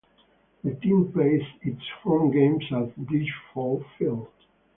The team plays its home games at Disch-Falk Field.